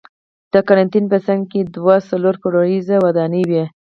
د قرنتین په څنګ کې دوه څلور پوړیزه ودانۍ وې.